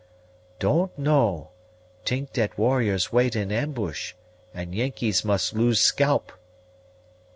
"Don't know; t'ink dat warriors wait in ambush, and Yengeese must lose scalp."